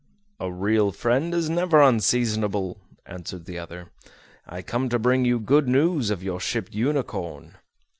"A real friend is never unseasonable," answered the other. "I come to bring you good news of your ship Unicorn."